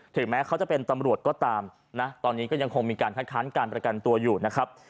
แม้เขาจะเป็นตำรวจก็ตามนะตอนนี้ก็ยังคงมีการคัดค้านการประกันตัวอยู่นะครับ